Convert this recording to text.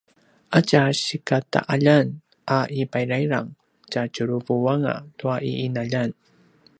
a tja sikata’aljan a i payrayrang tjatjuruvuanga tua i ’inaljan